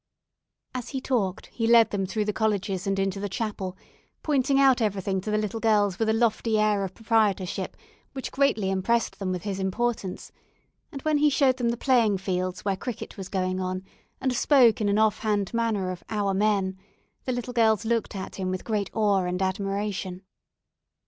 As he talked, he led them through the colleges and into the chapel, pointing out everything to the little girls with a lofty air of proprietorship which greatly impressed them with his importance, and when he showed them the "playing fields" where cricket was going on, and spoke in an offhand manner of "our men," the little girls looked at him with great awe and admiration.